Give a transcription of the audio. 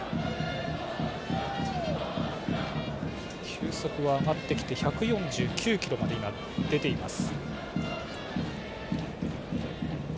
球速は上がってきて１４９キロまで出ています。